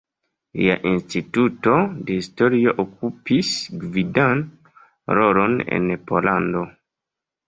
Lia Instituto de Historio okupis gvidan rolon en Pollando.